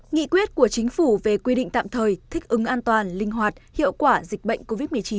nghị quyết của chính phủ về quy định tạm thời thích ứng an toàn linh hoạt hiệu quả dịch bệnh covid một mươi chín